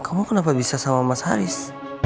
kamu kenapa bisa sama mas haris